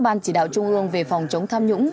ban chỉ đạo trung ương về phòng chống tham nhũng